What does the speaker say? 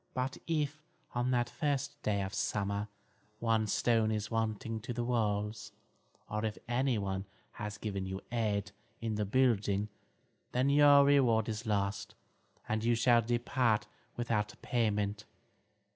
But if, on the first day of summer, one stone is wanting to the walls, or if anyone has given you aid in the building, then your reward is lost, and you shall depart without payment."